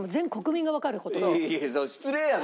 いやいや失礼やな！